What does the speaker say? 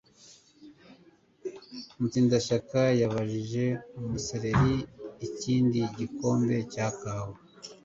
Mutsindashyaka yabajije umusereri ikindi gikombe cya kawa.